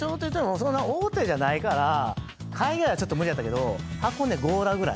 そんな大手じゃないから海外はちょっと無理やったけど箱根強羅ぐらい。